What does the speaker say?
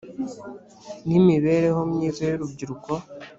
n imibereho myiza y urubyiruko